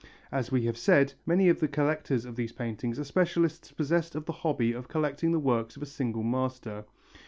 As we have said, many of these collectors of paintings are specialists possessed of the hobby of collecting the works of a single master.